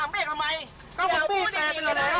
ผมพี่แปรเตือนแล้ว